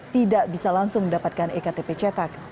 tidak bisa langsung mendapatkan ektp cetak